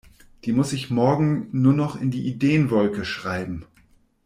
Die muss ich morgen nur noch in die Ideenwolke schreiben.